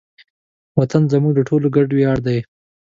وطن زموږ د ټولو ګډ ویاړ دی.